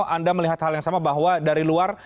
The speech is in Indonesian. anda melihat hal yang sama bahwa dari luar